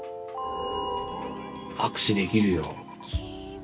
握手できるよ。